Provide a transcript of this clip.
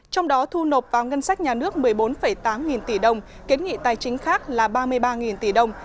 trong đó thu nộp vào ngân sách nhà nước một mươi bốn tám nghìn tỷ đồng kiến nghị tài chính khác là ba mươi ba nghìn tỷ đồng